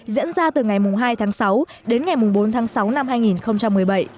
diễn ra từ ngày hai tháng sáu đến ngày bốn tháng sáu năm hai nghìn một mươi bảy